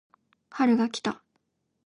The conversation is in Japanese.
春が来た